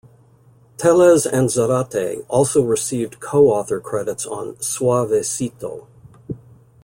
Tellez and Zarate also received co-author credits on "Suavecito".